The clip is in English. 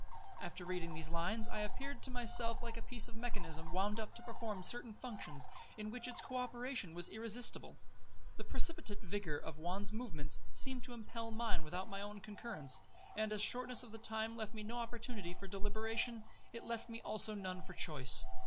'After reading these lines, I appeared to myself like a piece of mechanism wound up to perform certain functions, in which its co operation was irresistible. The precipitate vigour of Juan's movements seemed to impel mine without my own concurrence; and as the shortness of the time left me no opportunity for deliberation, it left me also none for choice.